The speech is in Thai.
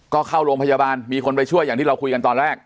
ก็เข้าโรงพยาบาลมีคนไปช่วยอย่างที่เราคุยกันตอนแรก